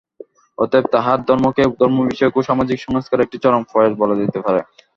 অতএব তাঁহার ধর্মকে ধর্মবিষয়ক ও সামাজিক সংস্কারের একটি চরম প্রয়াস বলা যাইতে পারে।